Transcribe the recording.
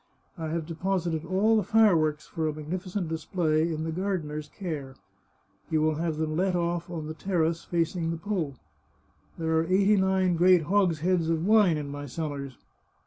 I have deposited all the fireworks for a magnificent display in the gardener's care. You will have them let off on the terrace facing the Po. There are eighty nine great hogsheads of wine in my cellars.